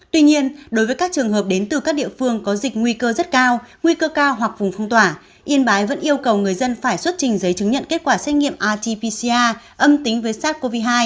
tuy nhiên đối với các trường hợp đến từ các địa phương có dịch nguy cơ rất cao nguy cơ cao hoặc vùng phong tỏa yên bái vẫn yêu cầu người dân phải xuất trình giấy chứng nhận kết quả xét nghiệm rt pcca âm tính với sars cov hai